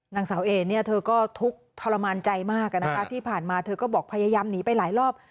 นางเสาแห่งนี่เธอก็ทุกข์ทรมานใจมากก็ที่ผ่านมาเธอก็บอกภัยยำหนีไปหลายรอบ